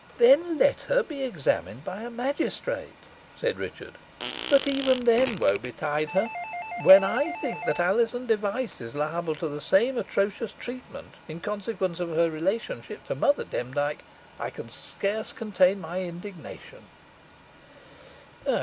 "Then let her be examined by a magistrate," said Richard; "but, even then, woe betide her! When I think that Alizon Device is liable to the same atrocious treatment, in consequence of her relationship to Mother Demdike, I can scarce contain my indignation."